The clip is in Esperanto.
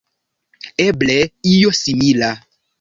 Eble io simila?